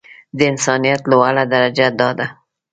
د انسانيت لوړه درجه دا ده.